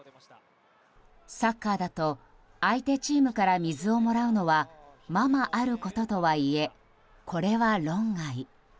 サッカーだと相手チームから水をもらうことはままあることとはいえこれは論外。